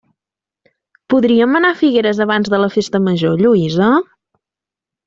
Podríem anar a Figueres abans de la festa major, Lluïsa?